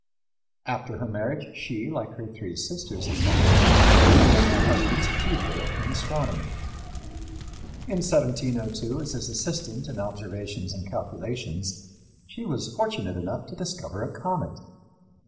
After her marriage she, like her three sisters in law, became her husband's pupil in astronomy. In 1702, as his assistant in observations and calculations, she was fortunate enough to discover a comet.